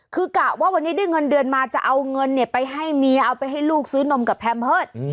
คือกะว่าวันนี้ได้เงินเดือนมาจะเอาเงินไปให้เมียเอาไปให้ลูกซื้อนมกับแพมเพิร์ต